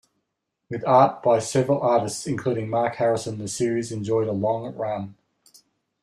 With art by several artists including Mark Harrison, the series enjoyed a long run.